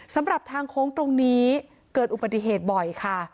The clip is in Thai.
สำหรับทางโค้งตรงนี้เกิดอุบัติเหตุบ่อยค่ะ